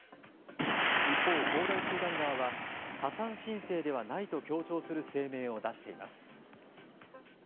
一方、恒大集団側は破産申請ではないと強調する声明を出しています。